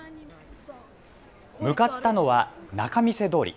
向かったのは仲見世通り。